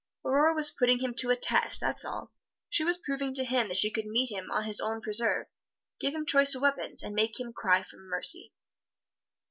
Aurore was putting him to a test, that's all. She was proving to him that she could meet him on his own preserve, give him choice of weapons, and make him cry for mercy.